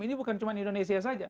ini bukan cuma indonesia saja